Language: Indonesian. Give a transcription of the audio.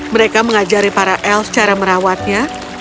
mereka mengajari para elf cara merawatnya